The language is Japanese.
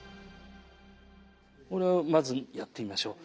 これをまずやってみましょう。